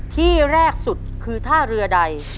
ที่แรกสุดคือท่าเรือใด